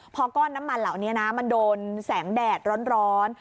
พอก้อนน้ำมันเหล่านี้นะมันโดนแสงแดดร้อน